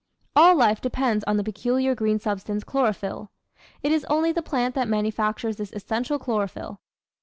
All life depends on the peculiar green substance "chloro phyll." It is only the plant that manufactures this essential chlorophyll.